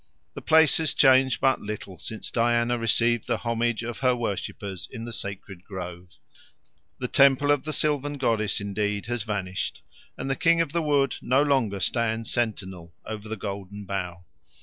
The place has changed but little since Diana received the homage of her worshippers in the sacred grove. The temple of the sylvan goddess, indeed, has vanished and the King of the Wood no longer stands sentinel over the Golden Bough.